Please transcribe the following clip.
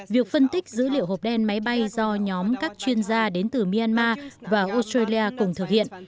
việc phân tích dữ liệu hộp đen máy bay do nhóm các chuyên gia đến từ myanmar và australia cùng thực hiện